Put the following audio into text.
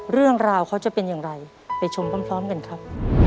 เรื่องราวเขาจะเป็นอย่างไรไปชมพร้อมกันครับ